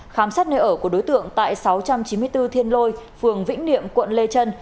khám xét nơi ở của đối tượng tại sáu trăm chín mươi bốn thiên lôi phường vĩnh niệm quận lê trân